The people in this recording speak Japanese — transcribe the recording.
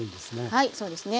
はいそうですね